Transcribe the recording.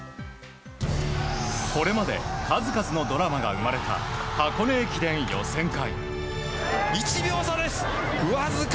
これまで数々のドラマが生まれた箱根駅伝予選会。